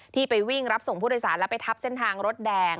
ไปวิ่งรับส่งผู้โดยสารแล้วไปทับเส้นทางรถแดง